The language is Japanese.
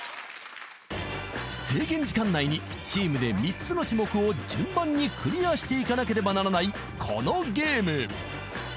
［制限時間内にチームで３つの種目を順番にクリアしていかなければならないこのゲーム］